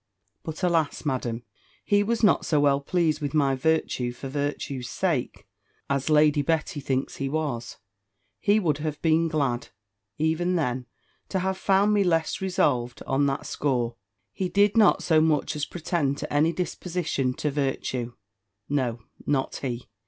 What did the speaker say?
But, alas! Madam, he was not so well pleased with my virtue for virtue's sake, as Lady Betty thinks he was. He would have been glad, even then, to have found me less resolved on that score. He did not so much as pretend to any disposition to virtue. No, not he!